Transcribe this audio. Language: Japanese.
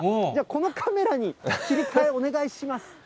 このカメラに切り替えお願いします。